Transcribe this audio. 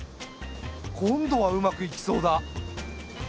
今度はうまくいきそうだ。